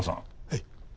はい。